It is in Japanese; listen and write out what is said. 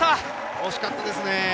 惜しかったですね。